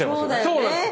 そうなんです。